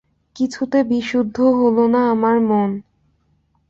কিছুতে বিশুদ্ধ হল না আমার মন!